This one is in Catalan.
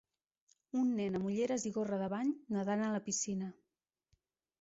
Un nen amb ulleres i gorra de bany nedant a la piscina.